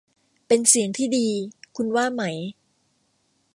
เป็นเสียงที่ดี คุณว่าไหม